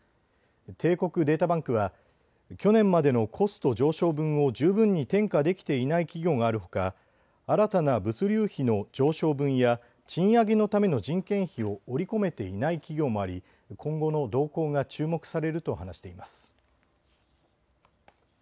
帝国データバンクは去年までのコスト上昇分を十分に転嫁できていない企業があるほか新たな物流費の上昇分や賃上げのための人件費を織り込めていない企業もあり今後の動向が注目されると話しています。